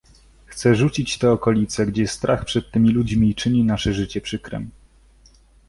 "Chce rzucić te okolicę, gdzie strach przed tymi ludźmi czyni nasze życie przykrem."